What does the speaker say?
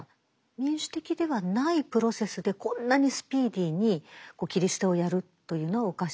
民主的ではないプロセスでこんなにスピーディーに切り捨てをやるというのはおかしい。